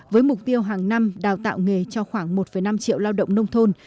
với mục tiêu hàng năm đào tạo nghề cho khoảng một năm triệu